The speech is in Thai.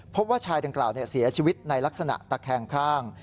พบว่าชายดังกล่าวเสียชีวิตในลักษณะตะแคงข้าง